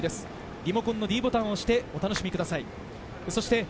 リモコンのｄボタンを押してお楽しみください。